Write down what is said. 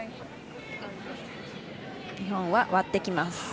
日本は割ってきます。